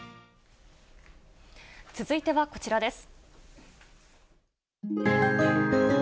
続いてはこちらです。